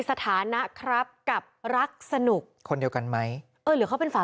สถานะครับกับรักสนุกคนเดียวกันไหมเออหรือเขาเป็นฝา